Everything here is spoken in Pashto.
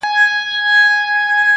څنگه دي زړه څخه بهر وباسم.